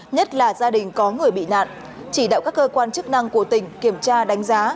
nhất là gia đình có người bị nạn chỉ đạo các cơ quan chức năng của tỉnh kiểm tra đánh giá